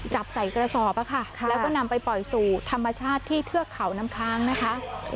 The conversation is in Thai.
จับใส่กระสอบค่ะแล้วก็นำไปปล่อยสู่ธรรมชาติที่เทือกเขาน้ำค้างนะคะ